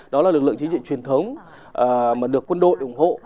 đó là lực lượng chính trị truyền thống mà được quân đội ủng hộ